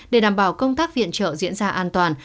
để đảm bảo công tác viện trợ diễn ra an toàn